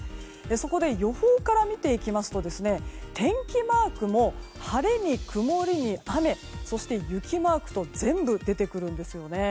そこで予報から見ていきますと天気マークも晴れに曇りに雨そして、雪マークと全部出てくるんですよね。